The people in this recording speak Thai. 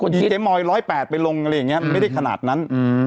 แดดไปลงอะไรอย่างนี้ไม่ได้ขนาดนั้น